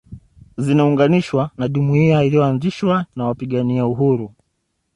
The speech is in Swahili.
Zinaunganishwa na jumuiya iliyoanzishwa na wapigania uhuru